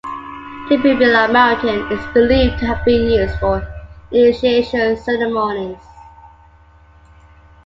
Tidbinbilla Mountain is believed to have been used for initiation ceremonies.